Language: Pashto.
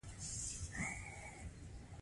دوی د خپل کار په بدل کې لږ مزد ترلاسه کوي